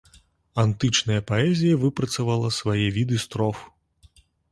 Антычная паэзія выпрацавала свае віды строф.